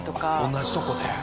同じとこで？